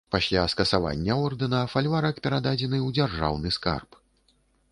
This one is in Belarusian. Пасля скасавання ордэна, фальварак перададзены ў дзяржаўны скарб.